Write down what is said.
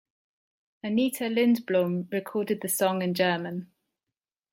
Anita Lindblom recorded the song in German.